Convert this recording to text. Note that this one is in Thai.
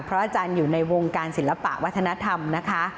อาจารย์อยู่ในวงการศิลปะวัฒนธรรมนะคะ